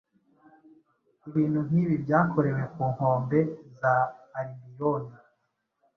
Ibintu nkibi byakorewe ku nkombe za Alibiyoni?